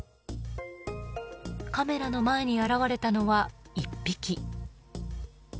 カメラの前に現れたのは１匹。